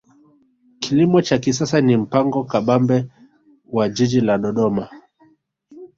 kilimo cha kisasa ni mpango kabambe wa jiji la dodoma